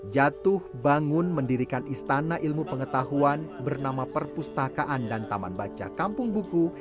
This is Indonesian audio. jatuh bangun mendirikan istana ilmu pengetahuan bernama perpustakaan dan taman baca kampung buku